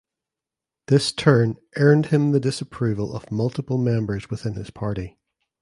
This turn earned him the disapproval of multiple members within his party.